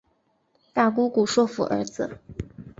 大姑姑说服儿子